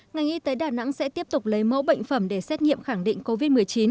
ngành y tế đà nẵng sẽ tiếp tục lấy mẫu bệnh phẩm để xét nghiệm khẳng định covid một mươi chín